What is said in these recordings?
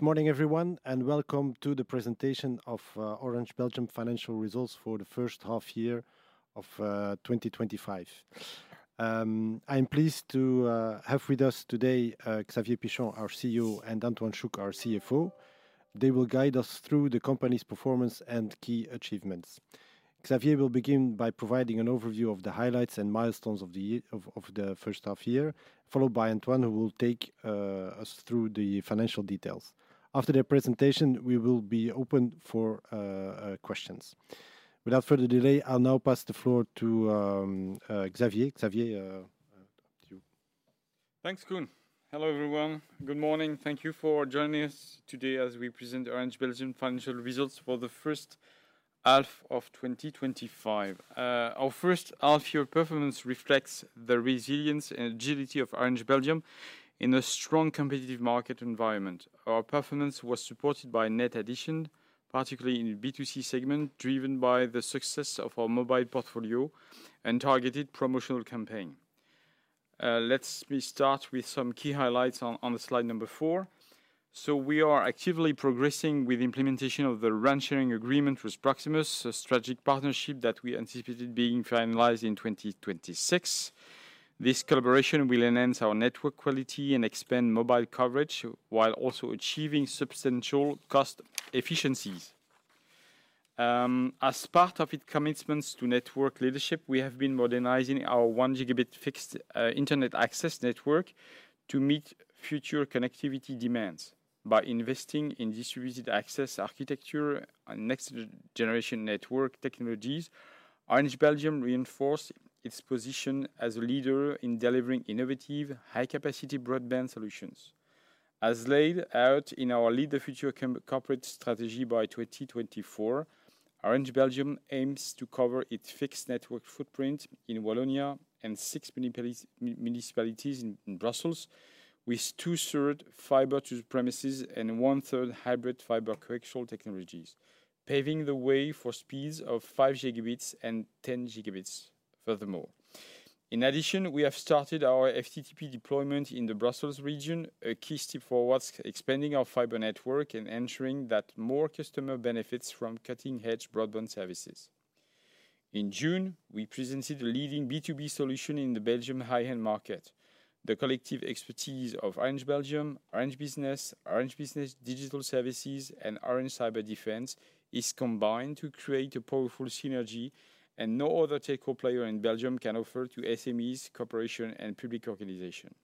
Good morning, everyone, and welcome to the presentation of Orange Belgium's financial results for the first half year of 2025. I am pleased to have with us today Xavier Pichon, our CEO, and Antoine Chouc, our CFO. They will guide us through the company's performance and key achievements. Xavier will begin by providing an overview of the highlights and milestones of the first half year, followed by Antoine, who will take us through the financial details. After their presentation, we will be open for questions. Without further delay, I'll now pass the floor to Xavier. Thanks, Koen. Hello, everyone. Good morning. Thank you for joining us today as we present Orange Belgium's financial results for the first half of 2025. Our first half-year performance reflects the resilience and agility of Orange Belgium in a strong competitive market environment. Our performance was supported by net addition, particularly in the B2C segment, driven by the success of our mobile portfolio and targeted promotional campaigns. Let me start with some key highlights on slide number four. We are actively progressing with the implementation of the RAN-sharing agreement with Proximus, a strategic partnership that we anticipated being finalized in 2026. This collaboration will enhance our network quality and expand mobile coverage while also achieving substantial cost efficiencies. As part of its commitments to network leadership, we have been modernizing our 1 Gb fixed internet access network to meet future connectivity demands. By investing in distributed access architecture and next-generation network technologies, Orange Belgium reinforced its position as a leader in delivering innovative, high-capacity broadband solutions. As laid out in our Lead the Future Corporate Strategy by 2024, Orange Belgium aims to cover its fixed network footprint in Wallonia and six municipalities in Brussels, with two-thirds fiber to the premises and one-third hybrid fiber connectional technologies, paving the way for speeds of 5 Gb and 10 Gb furthermore. In addition, we have started our FTTP deployment in the Brussels region, a key step forward to expanding our fiber network and ensuring that more customers benefit from cutting-edge broadband services. In June, we presented a leading B2B solution in the Belgium high-end market. The collective expertise of Orange Belgium, Orange Business, Orange Business Digital Services, and Orange Cyber defense is combined to create a powerful synergy that no other tech co-player in Belgium can offer to SMEs, corporations, and public organizations.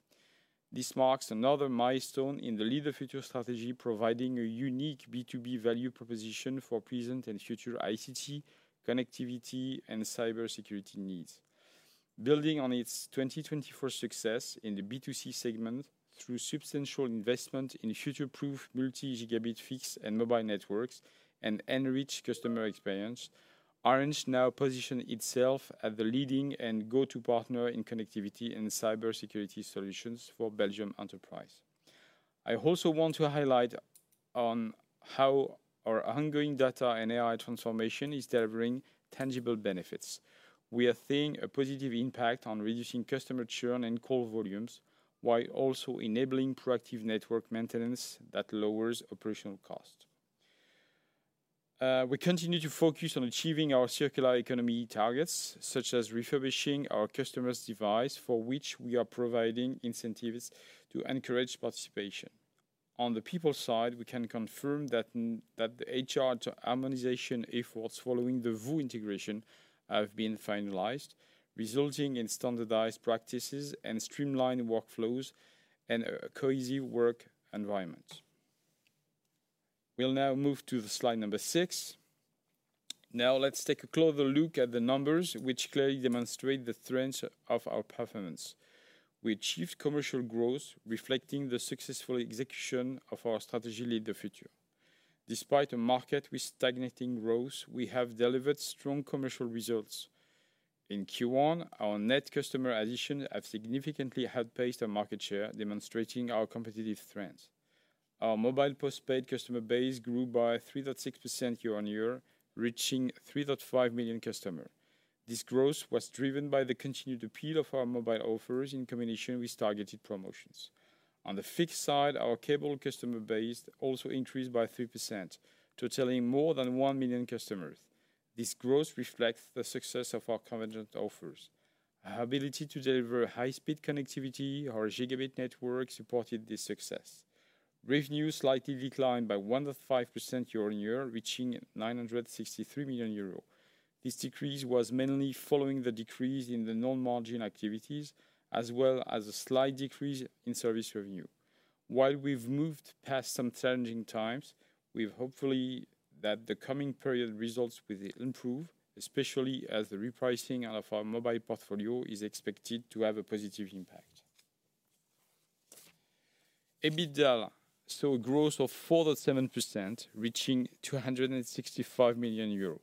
This marks another milestone in the Lead the Future strategy, providing a unique B2B value proposition for present and future ICT, connectivity, and cybersecurity needs. Building on its 2024 success in the B2C segment through substantial investment in future-proofed multi-gigabit fixed and mobile networks and enriched customer experience, Orange now positions itself as the leading and go-to partner in connectivity and cybersecurity solutions for Belgium enterprise. I also want to highlight how our ongoing data and AI transformation is delivering tangible benefits. We are seeing a positive impact on reducing customer churn and call volumes, while also enabling proactive network maintenance that lowers operational costs. We continue to focus on achieving our circular economy targets, such as refurbishing our customers' devices, for which we are providing incentives to encourage participation. On the people side, we can confirm that the HR harmonization efforts following the VOO integration have been finalized, resulting in standardized practices and streamlined workflows and a cozy work environment. We'll now move to slide number six. Now, let's take a closer look at the numbers, which clearly demonstrate the strength of our performance. We achieved commercial growth, reflecting the successful execution of our strategy Lead the Future. Despite a market with stagnating growth, we have delivered strong commercial results. In Q1, our net customer additions have significantly outpaced our market share, demonstrating our competitive strength. Our mobile postpaid customer base grew by 3.6% year-on-year, reaching 3.5 million customers. This growth was driven by the continued appeal of our mobile offers in combination with targeted promotions. On the fixed side, our cable customer base also increased by 3%, totaling more than 1 million customers. This growth reflects the success of our convergent offers. Our ability to deliver high-speed connectivity on our gigabit network supported this success. Revenues slightly declined by 1.5% year-on-year, reaching 963 million euros. This decrease was mainly following the decrease in the non-margin activities, as well as a slight decrease in service revenues. While we've moved past some challenging times, we hope that the coming period's results will improve, especially as the repricing of our mobile portfolio is expected to have a positive impact. EBITDA saw a growth of 4.7%, reaching 265 million euros.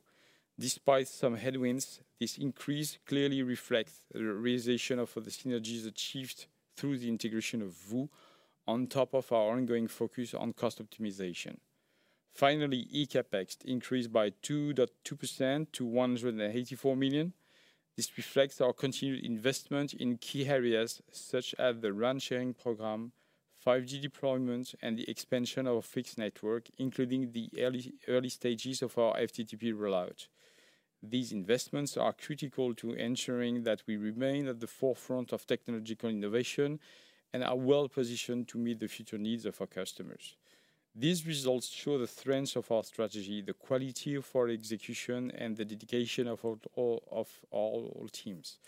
Despite some headwinds, this increase clearly reflects the realization of the synergies achieved through the integration of VOO, on top of our ongoing focus on cost optimization. Finally, eCapEx increased by 2.2% to 184 million. This reflects our continued investment in key areas, such as the RAN-sharing program, 5G deployment, and the expansion of our fixed network, including the early stages of our FTTP rollout. These investments are critical to ensuring that we remain at the forefront of technological innovation and are well-positioned to meet the future needs of our customers. These results show the strength of our strategy, the quality of our execution, and the dedication of all teams.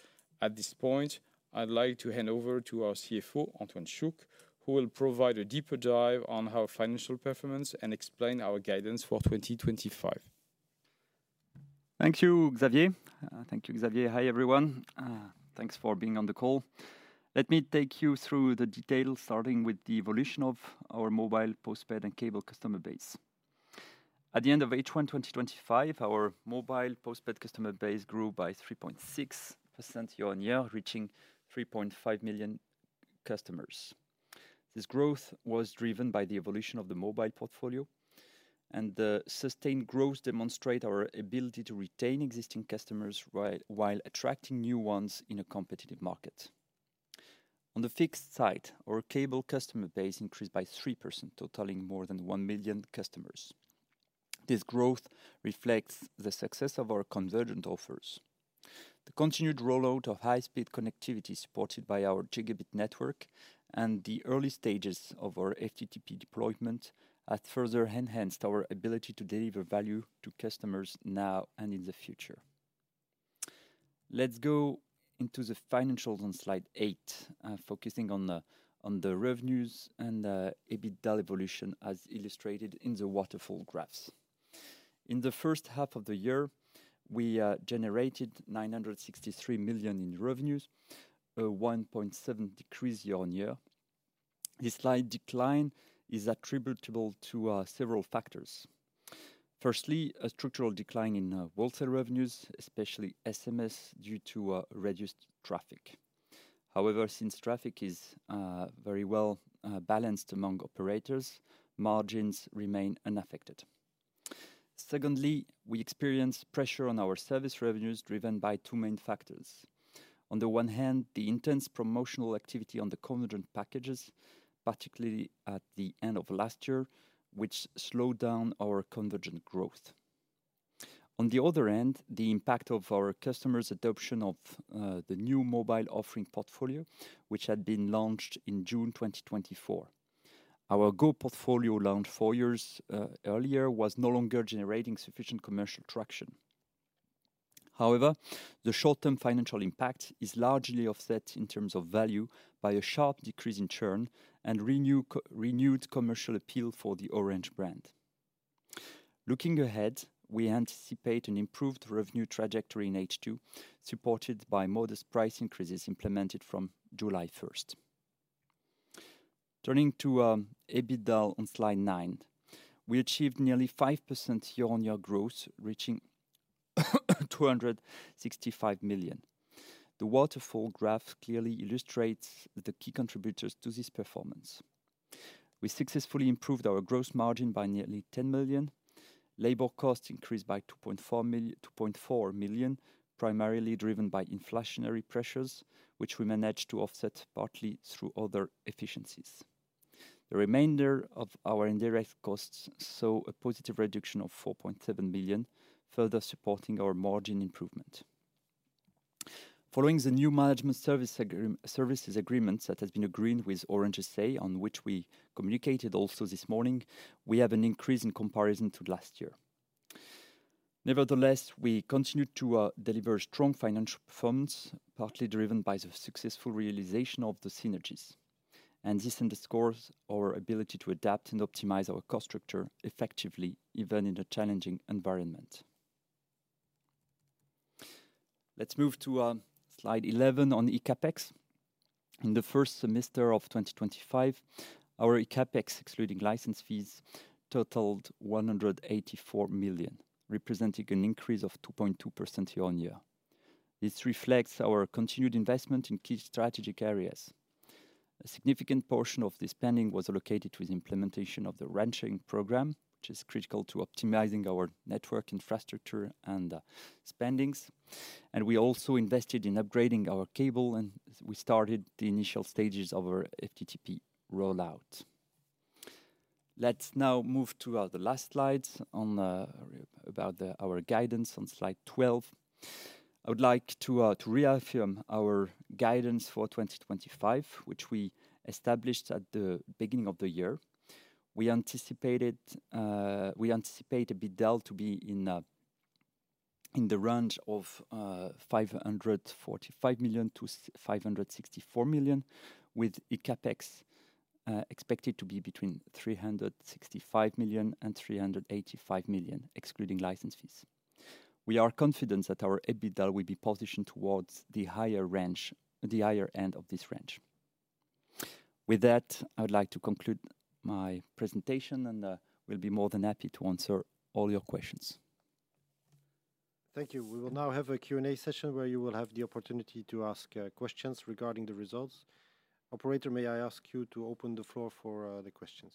At this point, I'd like to hand over to our CFO, Antoine Chouc, who will provide a deeper dive on our financial performance and explain our guidance for 2025. Thank you, Xavier. Thank you, Xavier. Hi, everyone. Thanks for being on the call. Let me take you through the details, starting with the evolution of our mobile postpaid and cable customer base. At the end of H1 2025, our mobile postpaid customer base grew by 3.6% year-on-year, reaching 3.5 million customers. This growth was driven by the evolution of the mobile portfolio, and the sustained growth demonstrates our ability to retain existing customers while attracting new ones in a competitive market. On the fixed side, our cable customer base increased by 3%, totaling more than 1 million customers. This growth reflects the success of our convergent offers. The continued rollout of high-speed connectivity supported by our gigabit network and the early stages of our FTTP deployment have further enhanced our ability to deliver value to customers now and in the future. Let's go into the financials on slide eight, focusing on the revenues and EBITDA evolution, as illustrated in the waterfall graphs. In the first half of the year, we generated 963 million in revenues, a 1.7% decrease year-on-year. This slight decline is attributable to several factors. Firstly, a structural decline in wholesale revenues, especially SMS, due to reduced traffic. However, since traffic is very well balanced among operators, margins remain unaffected. Secondly, we experienced pressure on our service revenues, driven by two main factors. On the one hand, the intense promotional activity on the convergent packages, particularly at the end of last year, which slowed down our convergence growth. On the other hand, the impact of our customers' adoption of the new mobile offering portfolio, which had been launched in June 2024. Our go-portfolio launched four years earlier was no longer generating sufficient commercial traction. However, the short-term financial impact is largely offset in terms of value by a sharp decrease in churn and renewed commercial appeal for the Orange brand. Looking ahead, we anticipate an improved revenue trajectory in H2, supported by modest price increases implemented from July 1st. Turning to EBITDA on slide nine, we achieved nearly 5% year-on-year growth, reaching 265 million. The waterfall graph clearly illustrates the key contributors to this performance. We successfully improved our gross margin by nearly 10 million. Labor costs increased by 2.4 million, primarily driven by inflationary pressures, which we managed to offset partly through other efficiencies. The remainder of our indirect costs saw a positive reduction of 4.7 million, further supporting our margin improvement. Following the new management services agreement that has been agreed with Orange SA, on which we communicated also this morning, we have an increase in comparison to last year. Nevertheless, we continue to deliver strong financial performance, partly driven by the successful realization of the synergies, and this underscores our ability to adapt and optimize our cost structure effectively, even in a challenging environment. Let's move to slide 11 on eCapEx. In the first semester of 2025, our eCapEx, excluding license fees, totaled 184 million, representing an increase of 2.2% year-on-year. This reflects our continued investment in key strategic areas. A significant portion of this spending was allocated to the implementation of the RAN-sharing program, which is critical to optimizing our network infrastructure and spendings. We also invested in upgrading our cable, and we started the initial stages of our FTTP rollout. Let's now move to the last slide about our guidance on slide 12. I would like to reaffirm our guidance for 2025, which we established at the beginning of the year. We anticipate EBITDA to be in the range of 545 million-564 million, with eCapEx expected to be between 365 million and 385 million, excluding license fees. We are confident that our EBITDA will be positioned towards the higher end of this range. With that, I would like to conclude my presentation, and we'll be more than happy to answer all your questions. Thank you. We will now have a Q&A session where you will have the opportunity to ask questions regarding the results. Operator, may I ask you to open the floor for the questions?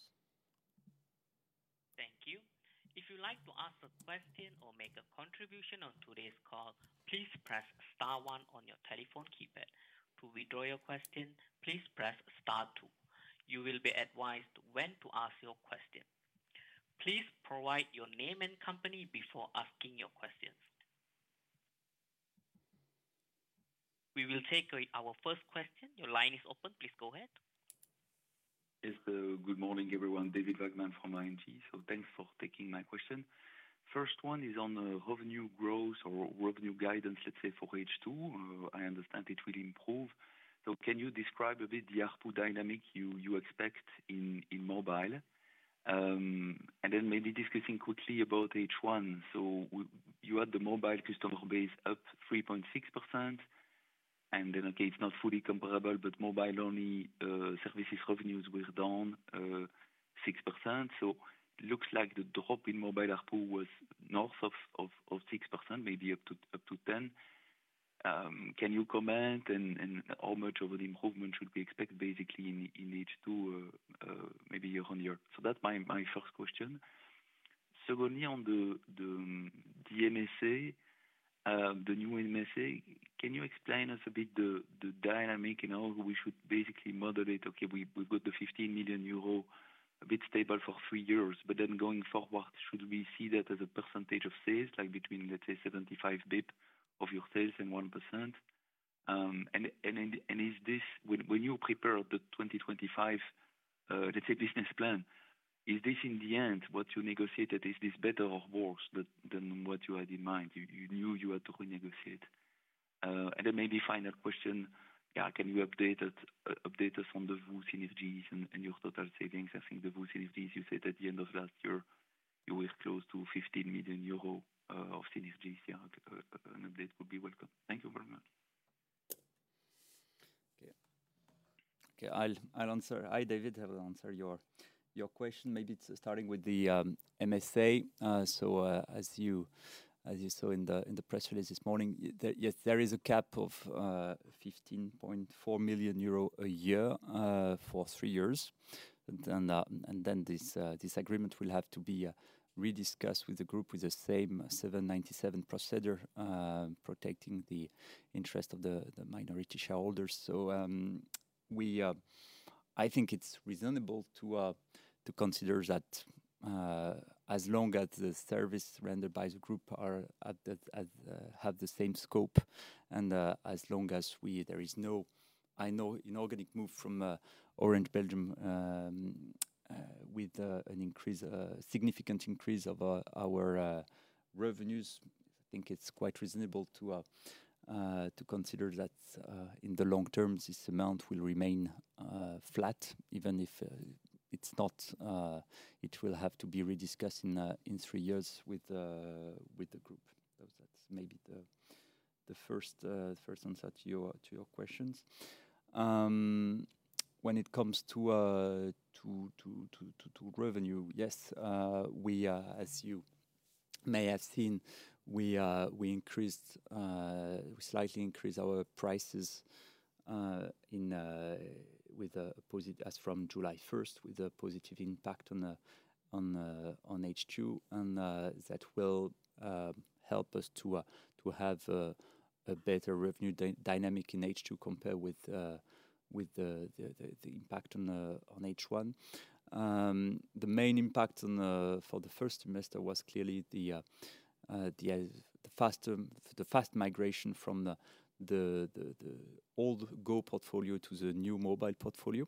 Thank you. If you'd like to ask a question or make a contribution on today's call, please press star one on your telephone keypad. To withdraw your question, please press star two. You will be advised when to ask your question. Please provide your name and company before asking your questions. We will take our first question. Your line is open. Please go ahead. Good morning, everyone. David Vagman from ING. Thanks for taking my question. First one is on revenue growth or revenue guidance, let's say, for H2. I understand it will improve. Can you describe a bit the ARPU dynamic you expect in mobile? Then maybe discussing quickly about H1. You had the mobile customer base up 3.6%. Then okay, it's not fully comparable, but mobile-only service revenues were down 6%. It looks like the drop in mobile ARPU was north of 6%, maybe up to 10%. Can you comment on how much of an improvement should we expect, basically, in H2, maybe year-on-year? That's my first question. Secondly, on the new MSA, can you explain to us a bit the dynamic and how we should basically moderate? We've got the 15 million euro a bit stable for three years, but then going forward, should we see that as a percentage of sales, like between, let's say, 75 bps of your sales and 1%? Is this, when you prepare the 2025, let's say, business plan, is this, in the end, what you negotiated? Is this better or worse than what you had in mind? You knew you had to renegotiate. Maybe final question. Can you update us on the VOO synergies and your total savings? I think the VOO synergies, you said at the end of last year, you were close to 15 million euro of synergies. An update would be welcome. Thank you very much. I'll answer. Hi, David. I will answer your question. Maybe starting with the MSA. As you saw in the press release this morning, yes, there is a cap of 15.4 million euro a year for three years. This agreement will have to be rediscussed with the group with the same 797 procedure, protecting the interest of the minority shareholders. I think it's reasonable to consider that as long as the service rendered by the group has the same scope, and as long as there is no, I know, an organic move from Orange Belgium with a significant increase of our revenues, I think it's quite reasonable to consider that in the long term, this amount will remain flat, even if it will have to be rediscussed in three years with the group. That's maybe the first answer to your questions. When it comes to revenue, yes, as you may have seen, we slightly increased our prices as from July 1st, with a positive impact on H2. That will help us to have a better revenue dynamic in H2 compared with the impact on H1. The main impact for the first semester was clearly the fast migration from the old go-portfolio to the new mobile portfolio.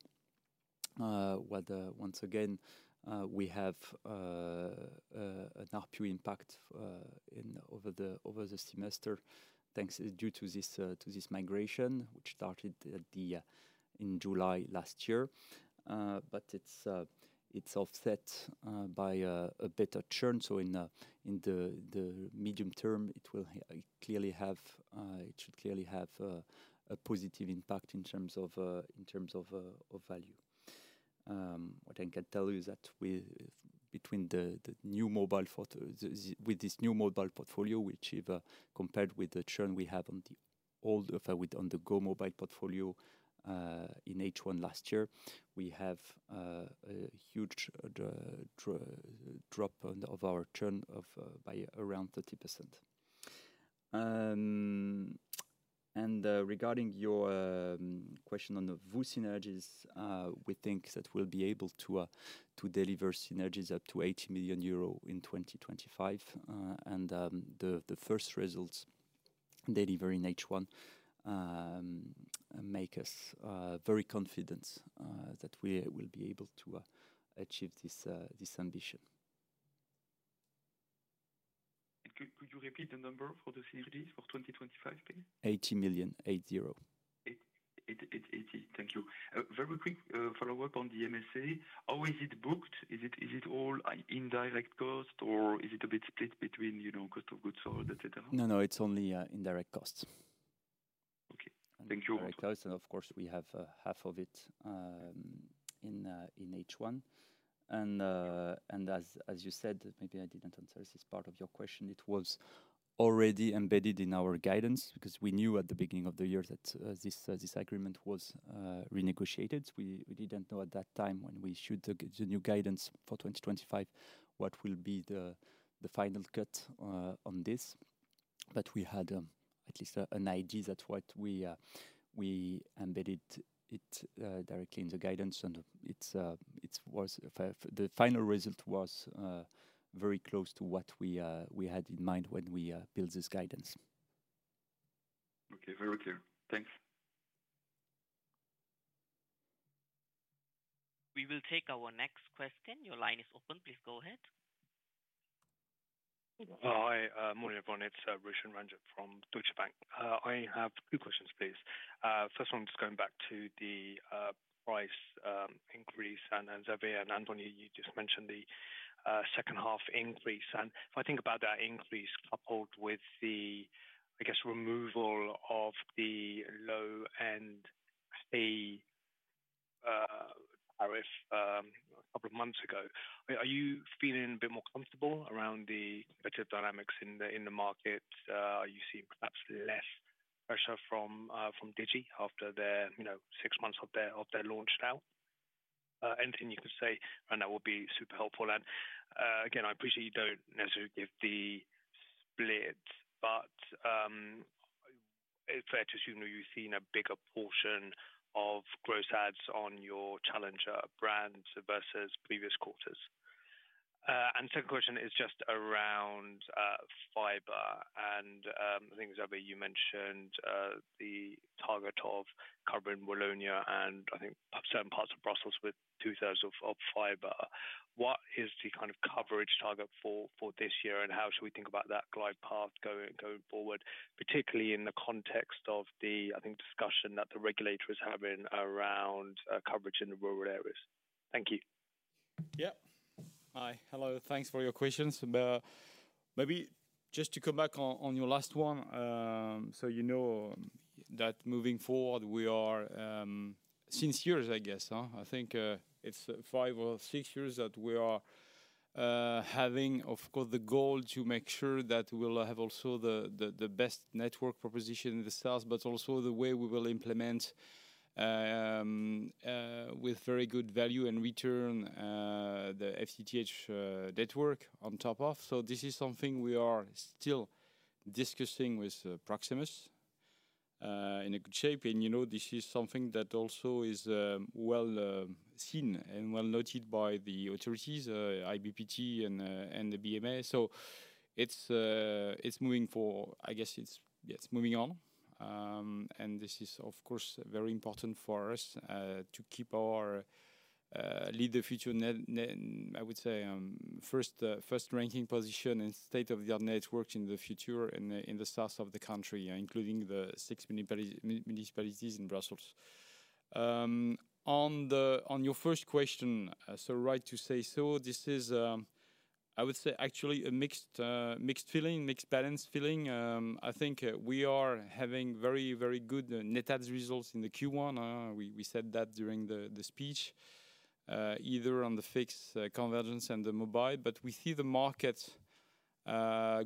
Once again, we have an ARPU impact over the semester due to this migration, which started in July last year, but it's offset by a better churn. In the medium term, it should clearly have a positive impact in terms of value. What I can tell you is that with this new mobile portfolio, which, if compared with the churn we had on the go-mobile portfolio in H1 last year, we have a huge drop in our churn by around 30%. Regarding your question on the VOO synergies, we think that we'll be able to deliver synergies up to 80 million euro in 2025. The first results delivered in H1 make us very confident that we will be able to achieve this ambition. Could you repeat the number for the synergies for 2025, please? 80 million, eight zero. It's 80. Thank you. Very quick follow-up on the MSA. How is it booked? Is it all indirect cost, or is it a bit split between cost of goods sold, etc.? No, no, it's only indirect costs. Thank you. Indirect costs, and of course, we have half of it in H1. As you said, maybe I didn't answer this part of your question. It was already embedded in our guidance because we knew at the beginning of the year that this agreement was renegotiated. We didn't know at that time when we issued the new guidance for 2025 what will be the final cut on this, but we had at least an idea that we embedded it directly in the guidance. The final result was very close to what we had in mind when we built this guidance. Okay, very clear. Thanks. We will take our next question. Your line is open. Please go ahead. Hi, morning everyone. It's Roshan Ranjit from Deutsche Bank. I have two questions, please. First one, just going back to the price increase. Xavier and Antoine, you just mentioned the second half increase. If I think about that increase coupled with the, I guess, removal of the low-end fee tariff a couple of months ago, are you feeling a bit more comfortable around the better dynamics in the market? Are you seeing perhaps less pressure from Digi after their six months of their launch now? Anything you could say right now would be super helpful. I appreciate you don't necessarily give the split, but it's fair to assume that you've seen a bigger portion of gross ads on your challenger brand versus previous quarters. The second question is just around fiber. I think, Xavier, you mentioned the target of covering Wallonia and, I think, certain parts of Brussels with 2/3 of fiber. What is the kind of coverage target for this year, and how should we think about that glide path going forward, particularly in the context of the, I think, discussion that the regulator is having around coverage in the rural areas? Thank you. Yeah. Hi. Hello. Thanks for your questions. Maybe just to come back on your last one. You know that moving forward, we are since years, I guess. I think it's five or six years that we are having, of course, the goal to make sure that we'll have also the best network proposition in the south, but also the way we will implement with very good value and return the FTTP network on top of. This is something we are still discussing with Proximus in a good shape. You know this is something that also is well seen and well noted by the authorities, IBPT and the BMA. It's moving forward. I guess it's moving on. This is, of course, very important for us to keep our Lead the Future, I would say, first ranking position in state-of-the-art networks in the future in the south of the country, including the six municipalities in Brussels. On your first question, right to say so, this is, I would say, actually a mixed feeling, mixed balance feeling. I think we are having very, very good net ads results in the Q1. We said that during the speech, either on the fixed convergence and the mobile, but we see the market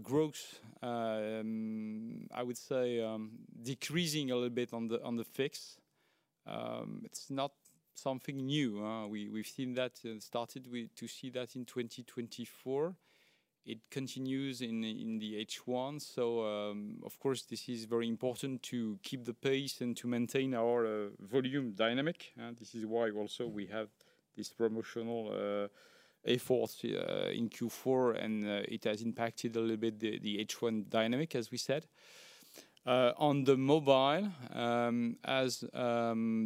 growth, I would say, decreasing a little bit on the fixed. It's not something new. We've seen that, started to see that in 2024. It continues in the H1. Of course, this is very important to keep the pace and to maintain our volume dynamic. This is why also we have this promotional effort in Q4, and it has impacted a little bit the H1 dynamic, as we said. On the mobile, as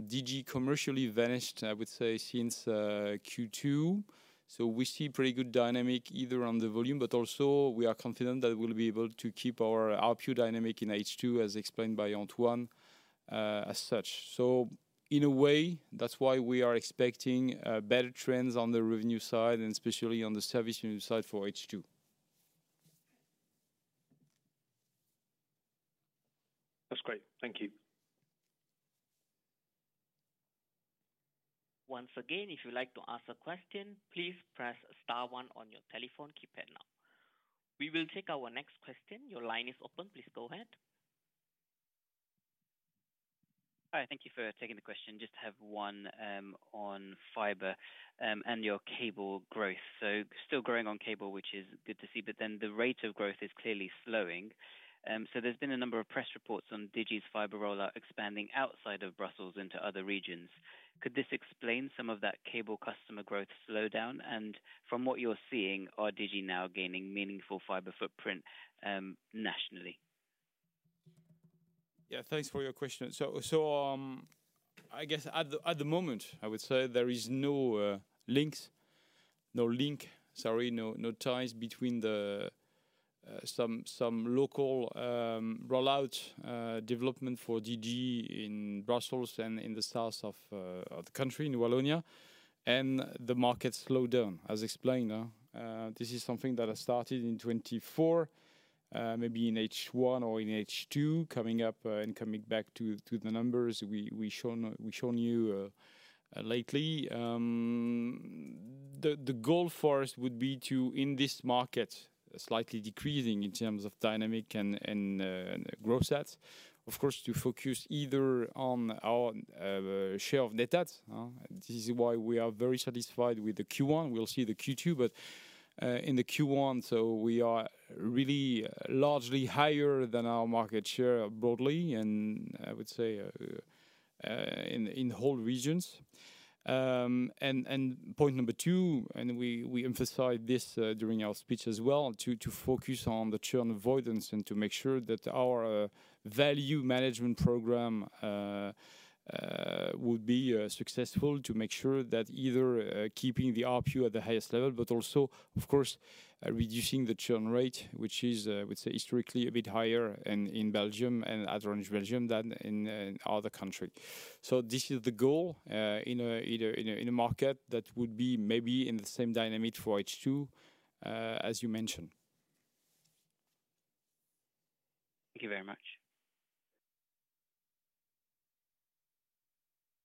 Digi commercially vanished, I would say, since Q2, we see a pretty good dynamic either on the volume, but also we are confident that we'll be able to keep our ARPU dynamic in H2, as explained by Antoine, as such. In a way, that's why we are expecting better trends on the revenue side and especially on the service revenue side for H2. That's great. Thank you. Once again, if you'd like to ask a question, please press star one on your telephone keypad now. We will take our next question. Your line is open. Please go ahead. Hi. Thank you for taking the question. Just have one on fiber and your cable growth. Still growing on cable, which is good to see, but the rate of growth is clearly slowing. There have been a number of press reports on Digi's fiber rollout expanding outside of Brussels into other regions. Could this explain some of that cable customer growth slowdown? From what you're seeing, are Digi now gaining meaningful fiber footprint nationally? Yeah. Thanks for your question. I guess at the moment, I would say there is no link, sorry, no ties between some local rollout development for Digi in Brussels and in the south of the country, in Wallonia, and the market slowed down, as explained. This is something that has started in 2024, maybe in H1 or in H2, coming up and coming back to the numbers we've shown you lately. The goal for us would be to, in this market slightly decreasing in terms of dynamic and growth ads, of course, to focus either on our share of net ads. This is why we are very satisfied with the Q1. We'll see the Q2, but in the Q1, we are really largely higher than our market share broadly, and I would say in whole regions. Point number two, and we emphasized this during our speech as well, to focus on the churn avoidance and to make sure that our value management program would be successful to make sure that either keeping the ARPU at the highest level, but also, of course, reducing the churn rate, which is, I would say, historically a bit higher in Belgium and at Orange Belgium than in other countries. This is the goal in a market that would be maybe in the same dynamic for H2, as you mentioned. Thank you very much.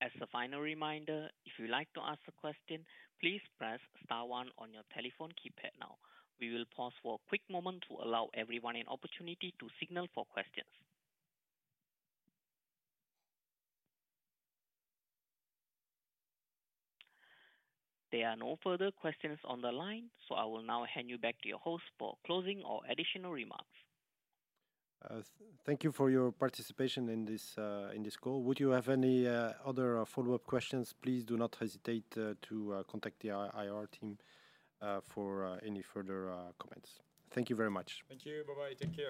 As a final reminder, if you'd like to ask a question, please press star one on your telephone keypad now. We will pause for a quick moment to allow everyone an opportunity to signal for questions. There are no further questions on the line, so I will now hand you back to your host for closing or additional remarks. Thank you for your participation in this call. Would you have any other follow-up questions? Please do not hesitate to contact the IR team for any further comments. Thank you very much. Thank you. Bye-bye. Take care.